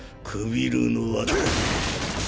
くびるのは。